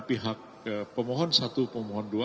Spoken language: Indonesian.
pihak pemohon satu pemohon dua